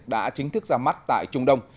đã chính thức ra mắt tại trung đông